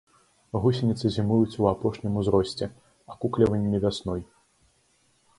Гусеніцы зімуюць у апошнім узросце, акукліванне вясной.